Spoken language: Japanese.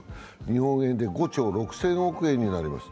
日本円で５兆６０００億円になります。